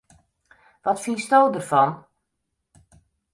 Wat fynsto derfan?